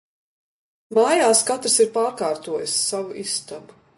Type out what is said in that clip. Mājās katrs ir pārkārtojis savu istabu.